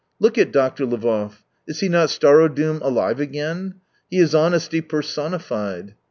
Look at Doctor Lvov! Is he not Starodoum alive again ? He is honesty personified.